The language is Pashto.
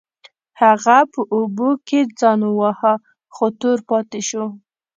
هغه په اوبو کې ځان وواهه خو تور پاتې شو.